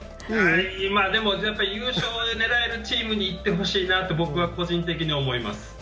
優勝を狙えるチームにいってほしいなって僕は個人的に思います。